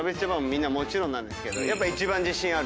みんなもちろんなんですけどやっぱ一番。